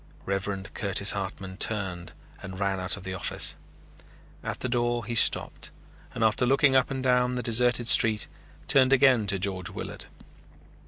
Reverend Curtis Hartman turned and ran out of the office. At the door he stopped, and after looking up and down the deserted street, turned again to George Willard.